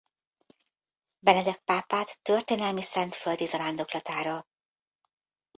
Benedek pápát történelmi szentföldi zarándoklatára.